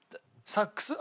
サックス？